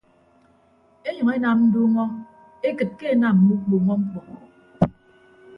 Enyʌñ enam nduuñọ ekịt ke enam mme ukpuuñọ ñkpọ.